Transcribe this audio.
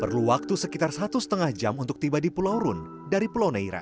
perlu waktu sekitar satu lima jam untuk tiba di pulau rune dari pulau neira